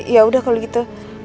yaudah kalau gitu